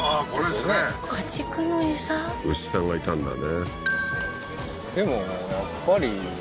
牛さんがいたんだね